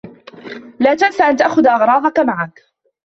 لا تنس أن تأخذ أغراضك معك.